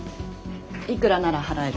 いくらなら払えるの？